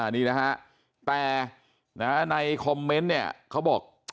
นี่นะฮะแต่ในคอมเม้นต์เขาบอก